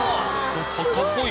かっこいい！